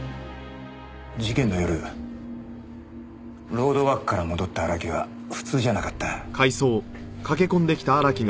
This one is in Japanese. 事件の夜ロードワークから戻った荒木は普通じゃなかった。